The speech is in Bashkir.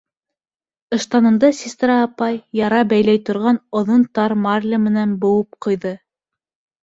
Ыштанымды сестра апай яра бәйләй торған оҙон тар марля менән быуып ҡуйҙы.